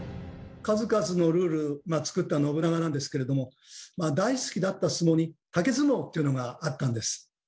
数々のルールまあ作った信長なんですけれども大好きだった相撲に「竹相撲」というのがあったんです。